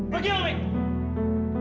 pergi lo men